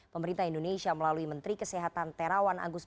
pemerintah indonesia melalui menteri kesehatan terawan agus